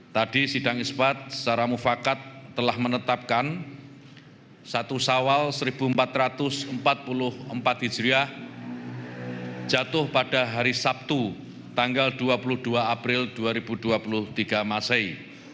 tadi sidang isbat secara mufakat telah menetapkan satu sawal seribu empat ratus empat puluh empat hijriah jatuh pada hari sabtu tanggal dua puluh dua april dua ribu dua puluh tiga masai